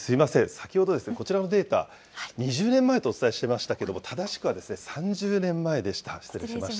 先ほどですね、こちらのデータ、２０年前とお伝えしましたけれども、正しくは３０年前でした。